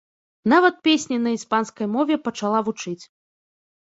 Нават песні на іспанскай мове пачала вучыць.